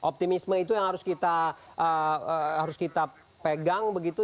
optimisme itu yang harus kita pegang begitu